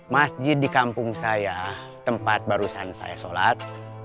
masjid di kampung saya tempat barusan saya sholat